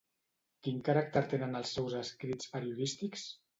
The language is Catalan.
Quin caràcter tenen els seus escrits periodístics?